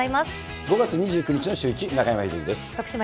５月２９日のシューイチ、徳島えりかです。